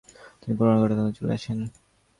তিনি পুনরায় গুয়াহাটি চলে আসেন।